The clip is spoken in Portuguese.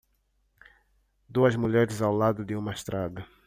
Duas mulheres ao lado de uma estrada.